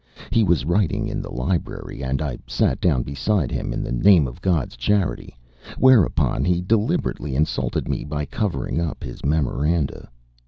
He was writing in the library and I sat down beside him in the name of God's charity, whereupon he deliberately insulted me by covering up his memoranda.